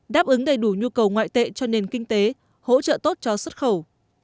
đáp ứng đầy đủ nhu cầu ngoại tệ cho nền kinh tế hỗ trợ tốt cho xuất khẩu